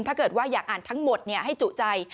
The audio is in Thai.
ถ้าเกิดว่าอยากอ่านทั้งหมดให้จุใจ